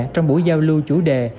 trong buổi giao lưu chủ đề